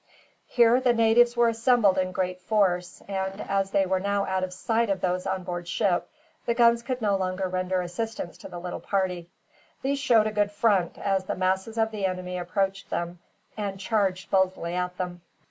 Here the natives were assembled in great force and, as they were now out of sight of those on board ship, the guns could no longer render assistance to the little party. These showed a good front as the masses of the enemy approached them, and charged boldly at them.